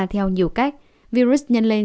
theo nhiều cách virus nhân lên